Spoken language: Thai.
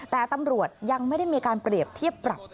แต่ตำรวจยังไม่ได้มีการเปรียบเทียบปรับ